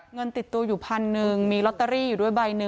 เงินติดตัวอยู่พันหนึ่งมีลอตเตอรี่อยู่ด้วยใบหนึ่ง